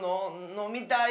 のみたい。